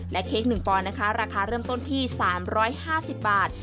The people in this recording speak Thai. และเค้กหนึ่งปอนด์นะคะราคาเริ่มต้นที่สามร้อยห้าสิบบาท